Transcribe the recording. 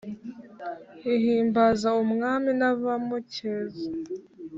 Ihimbaza umwami n’abamukeza